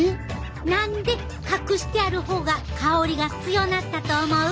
何で隠してある方が香りが強なったと思う？